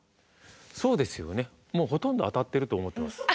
そうですよねもうほとんど当たってると思ってます。